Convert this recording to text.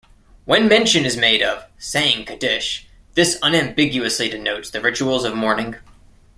When mention is made of "saying Kaddish", this unambiguously denotes the rituals of mourning.